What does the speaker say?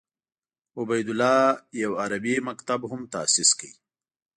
عبیدالله یو عربي مکتب هم تاسیس کړ.